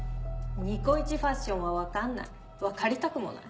ニコイチファッションは分かんない分かりたくもない。